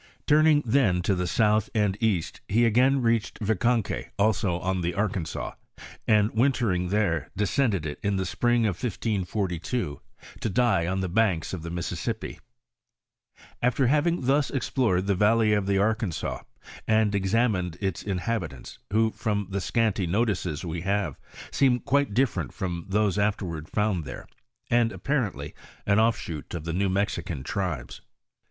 Turning then to the south and east, he again reached Yicanque also on the Arkansas, and wintering there, descend ed it in the spring of 1542 to die on the banks of the Missis sippi ; after having thus explored the valley of the Arkansas, and examined its inhabitants, who, from the scanty notices we Vave, seem quite diflferent from those afterward found there, and apparently an offshoot of the New Mexican tribes.